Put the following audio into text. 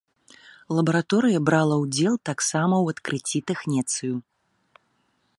Лабараторыя брала ўдзел таксама ў адкрыцці тэхнецыю.